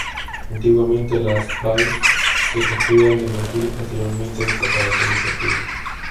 Antiguamente las púas se construían de marfil y posteriormente de caparazón de tortuga.